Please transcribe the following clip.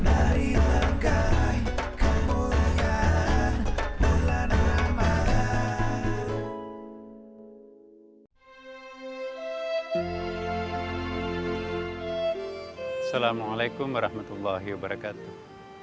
assalamualaikum warahmatullahi wabarakatuh